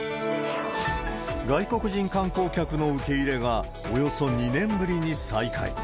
外国人観光客の受け入れが、およそ２年ぶりに再開。